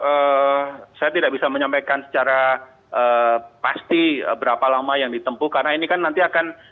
karena ini kan nanti akan saya tidak bisa menyampaikan secara pasti berapa lama yang ditempuh karena ini kan nanti akan